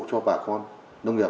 cho bà con nông nghiệp